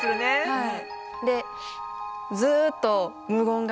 はい。